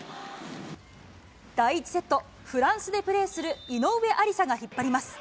第１セット、フランスでプレーする井上ありさが引っ張ります。